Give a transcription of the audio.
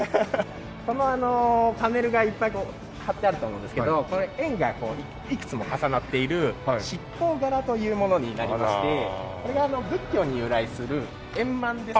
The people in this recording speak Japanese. パネルがいっぱいこう貼ってあると思うんですけど円がこういくつも重なっている七宝柄というものになりましてこれが仏教に由来する円満ですとか。